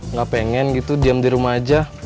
nggak pengen gitu diam di rumah aja